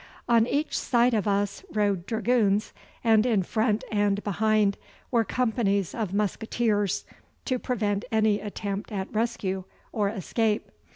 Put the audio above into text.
On each side of us rode dragoons, and in front and behind were companies of musqueteers to prevent any attempt at rescue or escape.